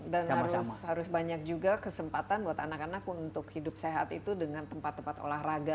dan harus banyak juga kesempatan buat anak anak untuk hidup sehat itu dengan tempat tempat olahraga